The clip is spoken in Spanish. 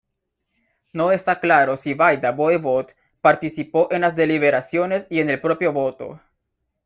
No está claro si Vaida-Voevod participó en las deliberaciones y en el propio voto.